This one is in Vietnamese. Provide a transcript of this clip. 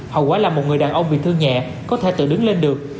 hầu quá là một người đàn ông bị thương nhẹ có thể tự đứng lên được